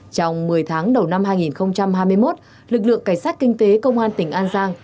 trong một mươi tháng đầu năm hai nghìn hai mươi một lực lượng cảnh sát kinh tế công an tỉnh an giang